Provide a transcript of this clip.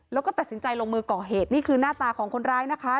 แล้วก็ตัดสินใจลงมือก่อเหตุนี่คือหน้าตาของคนร้ายนะคะ